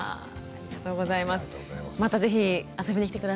ありがとうございます。